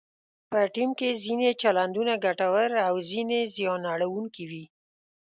په ټیم کې ځینې چلندونه ګټور او ځینې زیان اړونکي وي.